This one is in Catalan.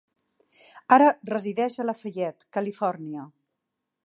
Ara resideix a Lafayette, Califòrnia.